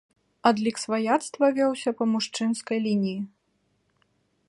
Адлік сваяцтва вёўся па мужчынскай лініі.